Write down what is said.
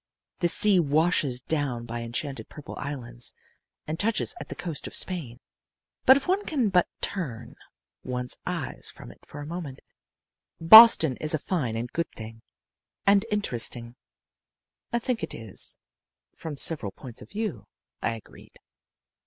This sea washes down by enchanted purple islands and touches at the coast of Spain. But if one can but turn one's eyes from it for a moment, Boston is a fine and good thing, and interesting." "I think it is from several points of view," I agreed.